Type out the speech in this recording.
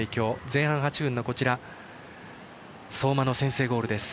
前半８分の相馬の先制ゴールです。